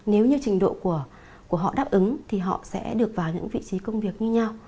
nếu như trình độ của họ đáp ứng thì họ sẽ được vào những vị trí công việc như nhau